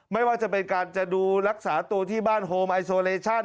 ไม่ว่าจะเป็นการจะดูรักษาตัวที่บ้านโฮมไอโซเลชั่น